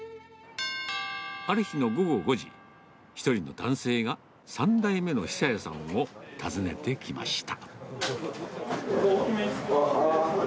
ある日の午後５時、一人の男性が、３代目の久弥さんを訪ねてきました。